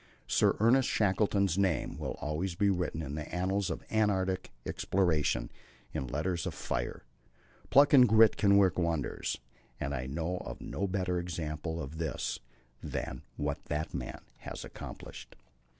Sir Ernest Shackleton's name will always be written in the annals of Antarctic exploration in letters of fire. Pluck and grit can work wonders, and I know of no better example of this than what that man has accomplished.